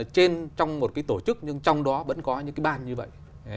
trên trong một cái tổ chức nhưng trong đó vẫn có những cái ban như vậy